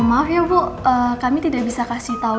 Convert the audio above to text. maaf ya bu kami tidak bisa kasih tahu